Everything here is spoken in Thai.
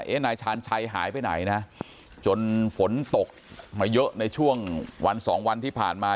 นายชาญชัยหายไปไหนนะจนฝนตกมาเยอะในช่วงวันสองวันที่ผ่านมา